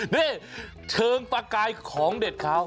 นี่เชิงปลากรายของเด็ดข้าว